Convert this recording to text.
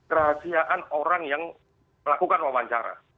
kerahasiaan orang yang melakukan wawancara